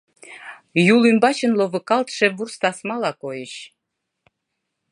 Юл умбачын ловыкалтше вурс тасмала койыч.